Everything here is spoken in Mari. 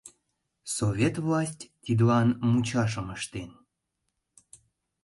Совет власть тидлан мучашым ыштен.